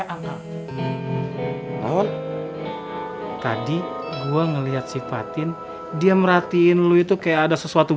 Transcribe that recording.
eh eh eh anggal anggal tadi gua ngeliat si patin dia merhatiin lu itu kayak ada sesuatu